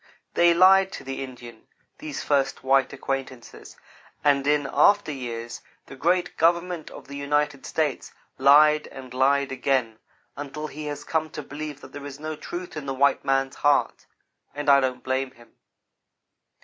They lied to the Indian these first white acquaintances, and in after years, the great Government of the United States lied and lied again, until he has come to believe that there is no truth in the white man's heart. And I don't blame him.